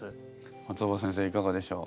松尾葉先生いかがでしょう？